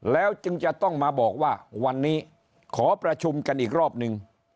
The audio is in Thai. แล้วจึงจะต้องมาบอกว่าวันนี้ขอประชุมกันอีกรอบนึง